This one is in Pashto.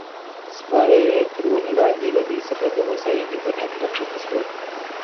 سپاره یې تر ونو لاندې له دوی څخه د هوساینې په نیت راکښته شول.